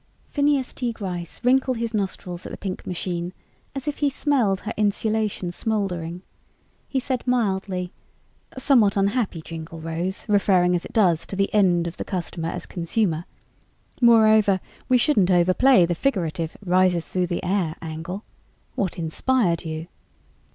_"Phineas T. Gryce wrinkled his nostrils at the pink machine as if he smelled her insulation smoldering. He said mildly, "A somewhat unhappy jingle, Rose, referring as it does to the end of the customer as consumer. Moreover, we shouldn't overplay the figurative 'rises through the air' angle. What inspired you?"